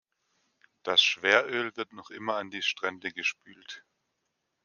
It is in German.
Das Schweröl wird noch immer an die Strände gespült.